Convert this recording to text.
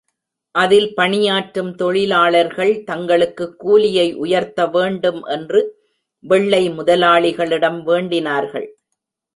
அதில் பணியாற்றும் தொழிலாளர்கள் தங்களுக்கு கூலியை உயர்த்தவேண்டும் என்று வெள்ளை முதலாளிகளிடம் வேண்டினார்கள்.